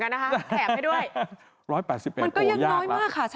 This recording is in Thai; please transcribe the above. มันก็ยังน้อยมากค่ะ